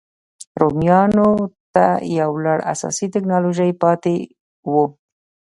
رومیانو ته یو لړ اساسي ټکنالوژۍ پاتې وو.